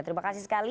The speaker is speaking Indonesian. terima kasih sekali